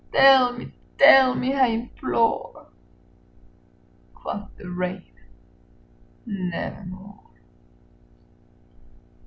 tell me tell me, I implore!" Quoth the Raven, "Nevermore."